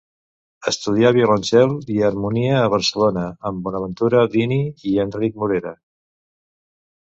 Estudià violoncel i harmonia a Barcelona amb Bonaventura Dini i Enric Morera.